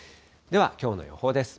ではきょうの予報です。